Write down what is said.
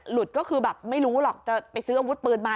ก็คือแบบไม่รู้หรอกจะไปซื้ออาวุธปืนมา